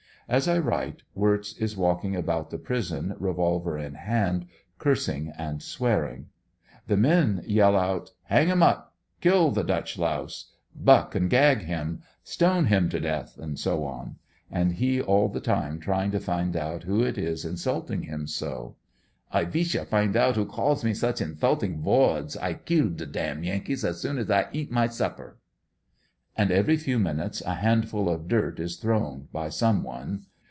As I write Wirtz is walking about the prison revolver in hand, cursing and swearing The men j^ell out ''Hang him up!" "Kill the Dutch louse!" 'Buck and gag him!" "Stone him to death!" &c., and he all the time trying to find out who it is insult ing him so. "I vish I find out who calls me such insulting vords, I kill the dam Yankee as soon I eat my supper!" And every few minutes a handful of dirt is thrown by some one.